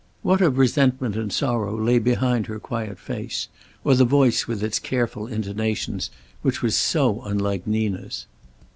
What of resentment and sorrow lay behind her quiet face, or the voice with its careful intonations which was so unlike Nina's?